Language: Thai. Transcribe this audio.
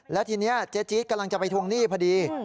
แล้วทีนี้เจ๊จี๊ดกำลังจะไปทวงหนี้พอดี